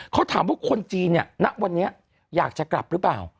บอกว่าคนจีนณวันนี้อยากจะกลับหรือเปล่า